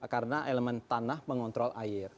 karena elemen tanah mengontrol air